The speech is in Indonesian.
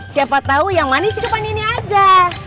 siapa tahu yang manis coba ini aja